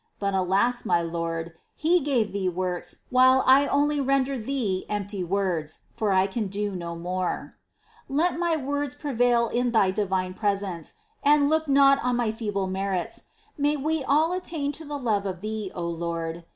* But alas, my Lord, he gave Thee works, while I only render Thee empty words, for I can do no more, 5. Let my words prevail in Thy divine presence, and look not on my feeble merits. May we all attain to the love of Thee, O Lord